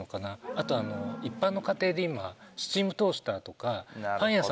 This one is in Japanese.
あとあの一般の家庭で今スチームトースターとか。